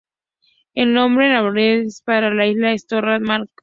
El nombre en aborígenes para la isla es "Toarra-Marra-Monah".